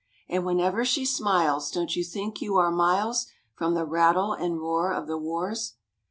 And whenever she smiles Don't you think you are miles From the rattle and roar of the wars?